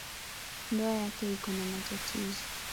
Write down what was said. Ndoa yake iko na matatizo.